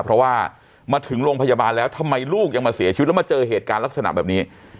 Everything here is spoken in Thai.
เพราะว่ามาถึงโรงพยาบาลแล้วทำไมลูกยังมาเสียชีวิตแล้วมาเจอเหตุการณ์ลักษณะแบบนี้